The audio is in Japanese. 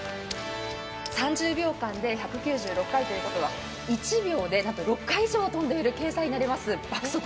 ３０秒間で１９６回ということは１秒でなんと６回以上跳んでいる計算になります。